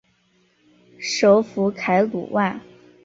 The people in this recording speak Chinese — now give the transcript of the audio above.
首府凯鲁万。